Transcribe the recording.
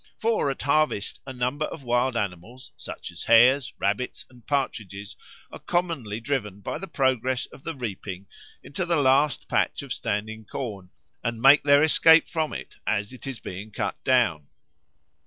For at harvest a number of wild animals, such as hares, rabbits, and partridges, are commonly driven by the progress of the reaping into the last patch of standing corn, and make their escape from it as it is being cut down.